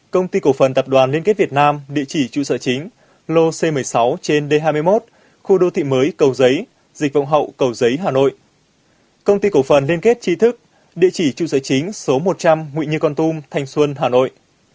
công ty cổ phần liên kết tri thức địa chỉ trụ sở chính số một trăm linh nguyễn như con tum thành xuân hà nội